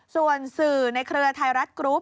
ส่วนสื่อในเครือไทยรัฐกรุ๊ป